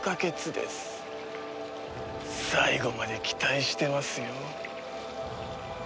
最後まで期待してますよ。